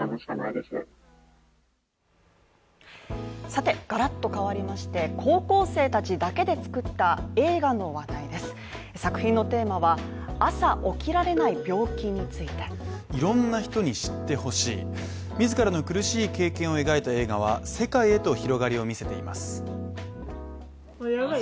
さて、ガラッと変わりまして、高校生たちだけで作った映画の話題です作品のテーマは朝起きられない病気についていろんな人に知ってほしい、自らの苦しい経験を描いた映画は世界へと広がりを見せています。